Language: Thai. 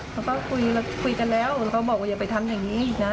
แล้วก็คุยแล้วคุยกันแล้วแล้วก็บอกว่าอย่าไปทำอย่างนี้อีกน่ะ